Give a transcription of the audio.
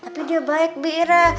tapi dia baik birat